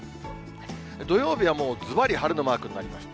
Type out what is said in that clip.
土曜日はもう、ずばり晴れのマークになりました。